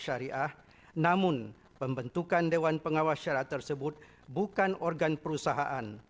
syariah namun pembentukan dewan pengawasyarat tersebut bukan organ perusahaan